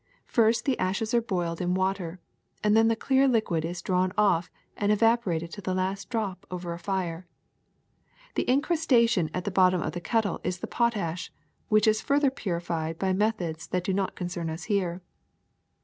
First the ashes are boiled in water, and then the clear liquid is drawn off and evaporated to the last drop over a fire. The incrus tation at the bottom of the kettle is the potash, which is further purified by methods that do not concern us here.